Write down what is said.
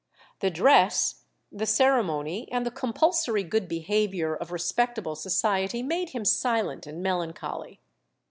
The dress, the ceremony, and the compulsory good behaviour of respectable society made him silent and melancholy.